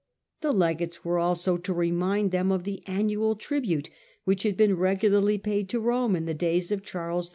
The legates were also to remind them of the annual tribute, which had been regularly paid to Rome in the days of Charles the